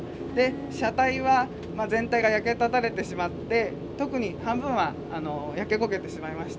車体は全体が焼けただれてしまって特に半分は焼け焦げてしまいました。